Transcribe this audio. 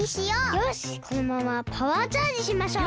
よしこのままパワーチャージしましょう！